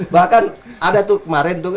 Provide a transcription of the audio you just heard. bahkan ada tuh kemarin